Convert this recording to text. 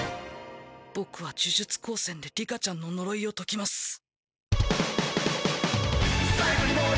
僕は呪術高専で里香ちゃんの呪いを解きます。